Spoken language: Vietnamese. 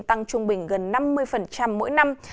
tăng trung bình gần năm mươi mỗi năm